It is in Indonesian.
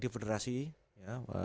di federasi ya